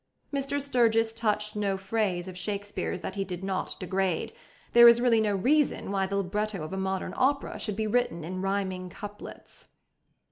Mr Sturgis touched no phrase of Shakespeare's that he did not degrade; there is really no reason why the libretto of a modern opera should be written in rhyming couplets.